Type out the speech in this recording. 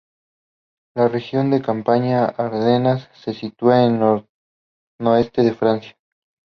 La región de Champaña-Ardenas se sitúa al nordeste de Francia.